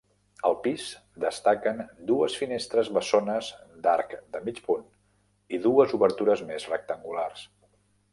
Al pis destaquen dues finestres bessones d'arc de mig punt i dues obertures més rectangulars.